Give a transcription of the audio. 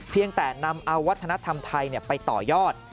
เพียงแต่นำเอาวัฒนธรรมไทยไปต่อยอด